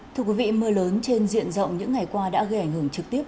thưa quý vị mưa lớn trên diện rộng những ngày qua đã gây ảnh hưởng trực tiếp